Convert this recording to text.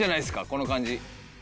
この感じ。